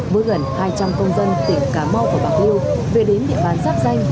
với gần hai trăm linh công dân tỉnh cá mau và bạc liêu về đến địa bàn giáp xanh